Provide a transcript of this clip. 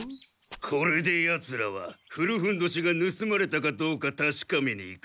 これでヤツらは古ふんどしがぬすまれたかどうかたしかめに行く。